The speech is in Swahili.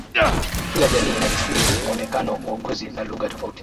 kila jamii ina desturi muonekano uongozi na lugha tofauti